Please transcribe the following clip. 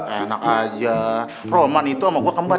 enak aja roman itu sama gue kembar